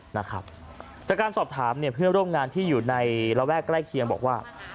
จากการสอบถามเนี่ยเพื่อนร่วมงานที่อยู่ในระแวกใกล้เคียงบอกว่า